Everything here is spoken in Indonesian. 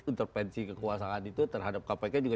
intervensi kekuasaan itu terhadap kpk juga